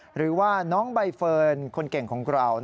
หรือว่าน้องใบเฟิร์นคนเก่งของเรา